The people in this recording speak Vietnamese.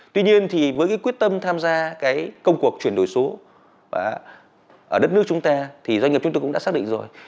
tuy nhiên thì với cái quyết tâm tham gia cái công cuộc chuyển đổi số ở đất nước chúng ta thì doanh nghiệp chúng tôi cũng đã xác định rồi